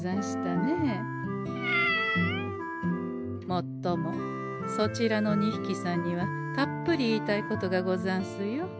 もっともそちらの２ひきさんにはたっぷり言いたいことがござんすよ。